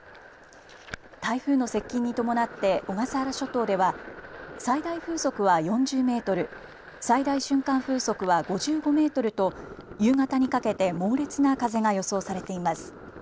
台風の接近に伴って小笠原諸島では最大風速は４０メートル、最大瞬間風速は５５メートルと夕方にかけて猛烈な風が予想されています。